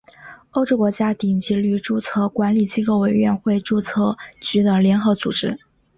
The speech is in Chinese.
欧洲国家顶级域注册管理机构委员会注册局的联合组织。